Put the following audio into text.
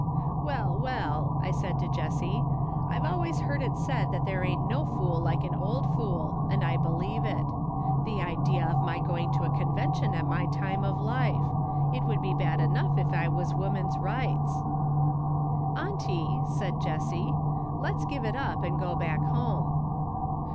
"' Well, well,' I said to Jessie. ' I've always heard it said that there ain't no fool like an old fool, and I believe it. The idea of my going to a Conven tion at my time of life ! It would be bad enough if I was woman's rights !'" 'Auntie/ said Jessie, ' let's give it up, and go back home.'